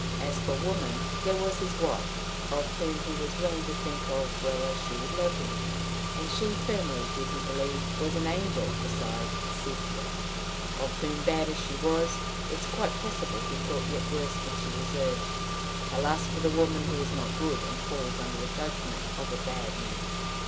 As for women there was his wife of whom he was willing to think as well as she would let him! And she, firmly did he believe, was an angel beside Sepia! of whom, bad as she was, it is quite possible he thought yet worse than she deserved: alas for the woman who is not good, and falls under the judgment of a bad man!